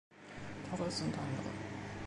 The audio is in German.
Torres und andere.